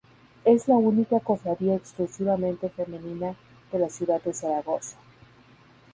Es la única cofradía exclusivamente femenina de la ciudad de Zaragoza.